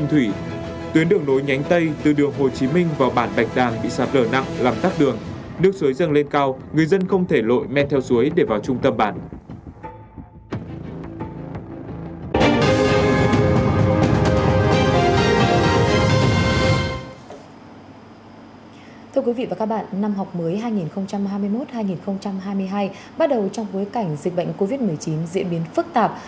thưa quý vị và các bạn năm học mới hai nghìn hai mươi một hai nghìn hai mươi hai bắt đầu trong cuối cảnh dịch bệnh covid một mươi chín diễn biến phức tạp